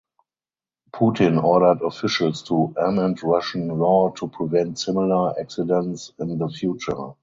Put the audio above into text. Putin ordered officials to amend Russian law to prevent similar accidents in the future.